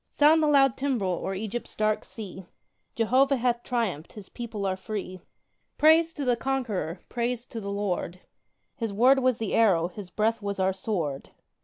Sound the loud timbrel o'er Egypt's dark sea! Jehovah hath triumphed His people are free. Praise to the Conqueror, praise to the Lord! His word was the arrow, His breath was our sword!